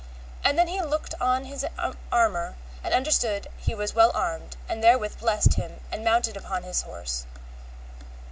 And then he looked on his armour, and understood he was well armed, and therewith blessed him and mounted upon his horse.